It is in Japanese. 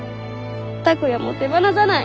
拓哉も手放さない。